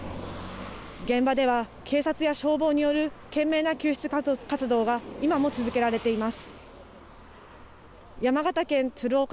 現場では警察や消防による懸命な救出活動が今も続けられています。